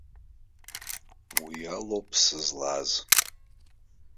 Уи алоуп сызлааз.